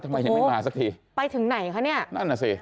ทำไมยังไม่มาสักทีไปถึงไหนคะเนี่ยนั่นน่ะสิ